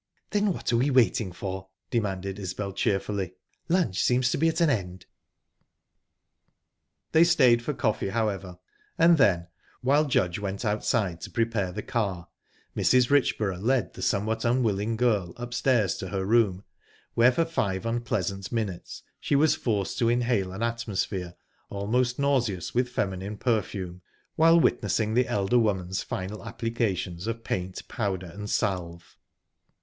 "Then what are we waiting for?" demanded Isbel cheerfully. "Lunch seems to be at an end." They stayed for coffee, however, and then, while Judge went outside to prepare the car, Mrs. Richborough led the somewhat unwilling girl upstairs to her room, where for five unpleasant minutes she was forced to inhale an atmosphere almost nauseous with feminine perfume, while witnessing the elder woman's final applications of paint, powder, and salve.